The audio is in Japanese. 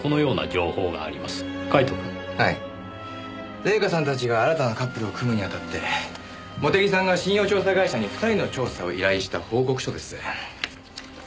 礼夏さんたちが新たなカップルを組むにあたって茂手木さんが信用調査会社に２人の調査を依頼した報告書です。